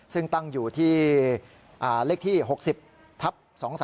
ซึ่งตั้งอยู่ที่เลขที่๖๐ทับ๒๓